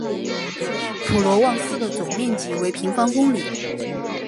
普罗旺斯的总面积为平方公里。